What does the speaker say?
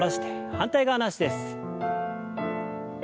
反対側の脚です。